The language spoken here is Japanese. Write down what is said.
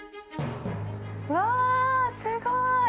うわー、すごい。